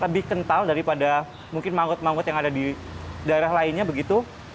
lebih kental daripada mungkin mangut mangut yang ada di daerah lainnya begitu